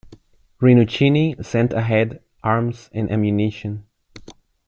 Rinuccini sent ahead arms and ammunition.